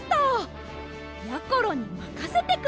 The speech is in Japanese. やころにまかせてください！